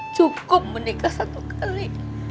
cukup menikah satu kali